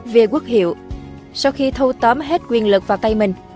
về quốc hiệu sau khi thâu tóm hết quyền lực vào tay mình